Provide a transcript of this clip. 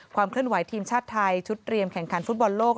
เคลื่อนไหวทีมชาติไทยชุดเรียมแข่งขันฟุตบอลโลก